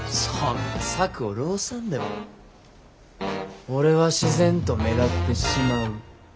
そんな策を弄さんでも俺は自然と目立ってしまう。